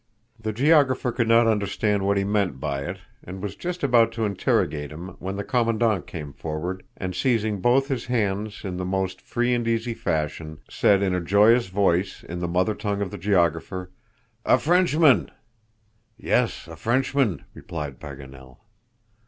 The geographer could not understand what he meant by it, and was just about to interrogate him, when the Commandant came forward, and seizing both his hands in the most free and easy fashion, said in a joyous voice, in the mother tongue of the geographer: "A Frenchman!" "Yes, a Frenchman," replied Paganel.